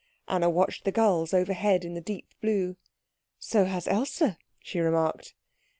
Anna watched the gulls overhead in the deep blue. "So has Else," she remarked.